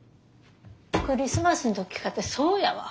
クリスマスの時かてそうやわ。